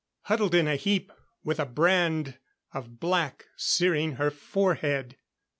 Huddled in a heap, with a brand of black searing her forehead.